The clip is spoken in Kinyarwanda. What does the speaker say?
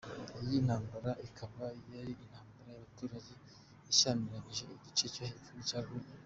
Iyi ntambara ikaba yari intambara y’abaturage ishyamiranyije igice cyo hepfo n’icyo haruguru.